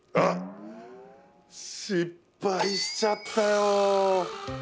失敗しちゃったよ。